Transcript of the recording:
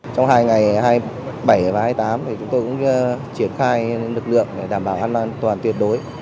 trong hai ngày hai mươi bảy và hai mươi tám chúng tôi cũng triển khai lực lượng để đảm bảo an an toàn tuyệt đối